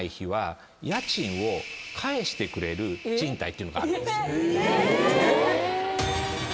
ていうのがあるんですよ。